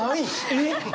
えっ？